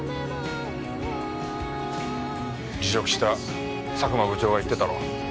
辞職した佐久間部長が言ってたろう。